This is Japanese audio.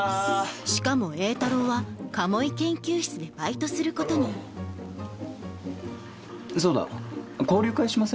しかも榮太郎は鴨居研究室でバイトすることにそうだ交流会しません？